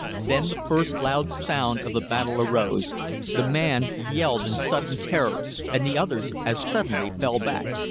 Then the first loud sound of the battle arose. The man yelled in sudden terror; and the others as suddenly fell back.